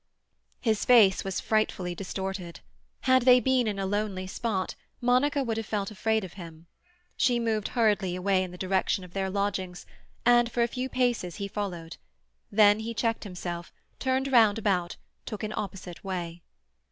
His face was frightfully distorted. Had they been in a lonely spot, Monica would have felt afraid of him. She moved hurriedly away in the direction of their lodgings, and for a few paces he followed; then he checked himself, turned round about, took an opposite way.